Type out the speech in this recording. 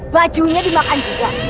bajunya dimakan juga